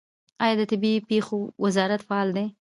آیا د طبیعي پیښو وزارت فعال دی؟